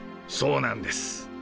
そうなんです。